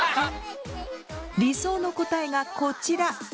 理想の答えがこちら！